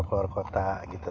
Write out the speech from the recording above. keluar kota gitu